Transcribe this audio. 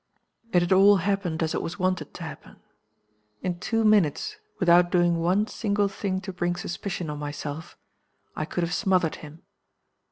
"It had all happened as it was wanted to happen. In two minutes without doing one single thing to bring suspicion on myself I could have smothered him.